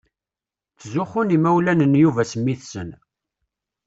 Ttzuxxun yimawlan n Yuba s mmi-tsen.